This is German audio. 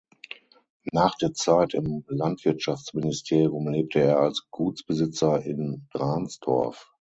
Nach der Zeit im Landwirtschaftsministerium lebte er als Gutsbesitzer in Drahnsdorf.